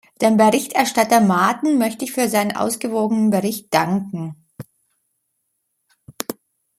Dem Berichterstatter Maaten möchte ich für seinen ausgewogenen Bericht danken.